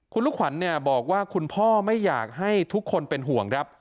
คุณลูกขวัญบอกว่าคุณพ่อไม่อยากให้ทุกคนเป็นห่วงครับ